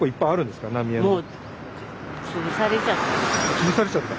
つぶされちゃった？